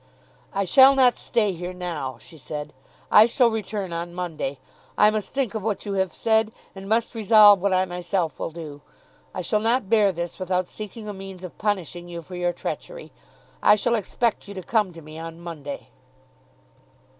"I shall not stay here now," she said "I shall return on Monday. I must think of what you have said, and must resolve what I myself will do. I shall not bear this without seeking a means of punishing you for your treachery. I shall expect you to come to me on Monday."